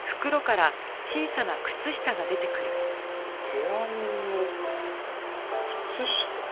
手編みの靴下？